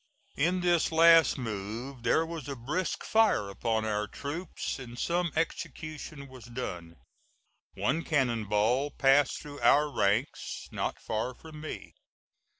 In this last move there was a brisk fire upon our troops, and some execution was done. One cannon ball passed through our ranks, not far from me.